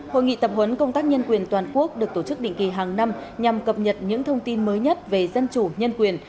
hội nghị tập huấn công tác nhân quyền toàn quốc được tổ chức định kỳ hàng năm nhằm cập nhật những thông tin mới nhất về dân chủ nhân quyền